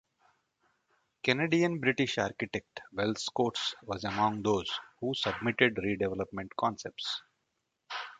Canadian-British architect Wells Coates was among those who submitted redevelopment concepts.